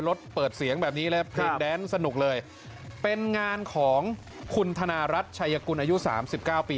เปิดเสียงแบบนี้เลยเพลงแดนสนุกเลยเป็นงานของคุณธนารัฐชัยกุลอายุสามสิบเก้าปี